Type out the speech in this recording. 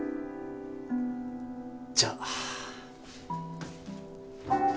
じゃあ。